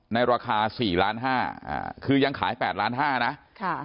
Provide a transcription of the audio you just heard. ในราคา๔๕๐๐๐๐๐บาทคือยังขาย๘๕๐๐๐๐๐บาทนะ